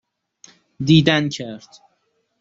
دیدنکرد